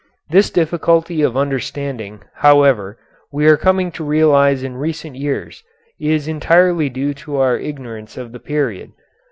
This difficulty of understanding, however, we are coming to realize in recent years, is entirely due to our ignorance of the period.